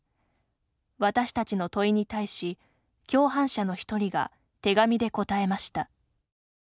私たちの問いに対し共犯者の１人が手紙で答えました。